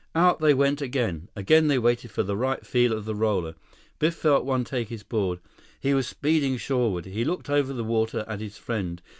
Out they went again. Again they waited for the right feel of the roller. Biff felt one take his board. He was speeding shoreward. He looked over the water at his friend.